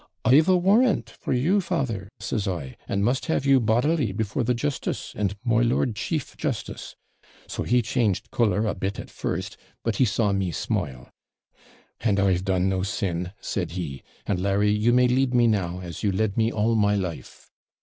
'I've a warrant for you, father,' says I; 'and must have you bodily before the justice, and my lord chief justice.' So he changed colour a bit at first; but he saw me smile. 'And I've done no sin,' said he; 'and, Larry, you may lead me now, as you led me all my life.'